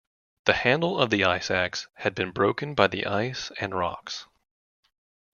The handle of the ice axe had been broken by the ice and rocks.